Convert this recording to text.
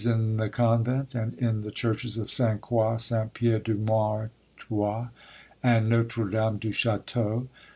in the convent, and in the churches of Sainte Croix, Saint Pierre du Martroy, and Notre Dame du Chateau.